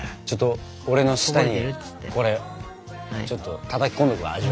ちょっと俺の舌にこれちょっとたたき込んどくわ。